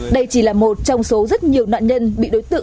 đây chỉ là một trong số rất nhiều nạn nhân bị đối tượng